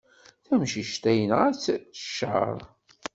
Tamcict-a yenɣa-tt cceṛ.